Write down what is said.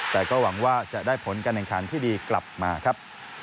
แต่ก็หวังว่าจะได้ผลการแข่งขันที่ดีกลับมาครับ